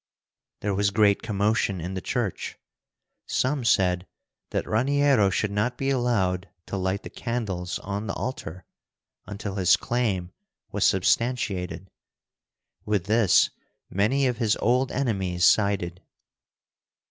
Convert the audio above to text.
There was great commotion in the church. Some said that Raniero should not be allowed to light the candles on the altar until his claim was substantiated. With this many of his old enemies sided.